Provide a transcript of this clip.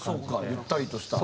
ゆったりとした。